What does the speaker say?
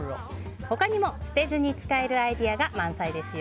他にも捨てずに使えるアイデアが満載ですよ。